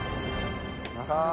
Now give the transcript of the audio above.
さあ。